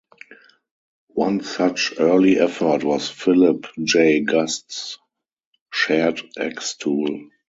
One such early effort was Philip J. Gust's SharedX tool.